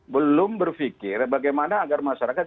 belum berpikir bagaimana agar masyarakat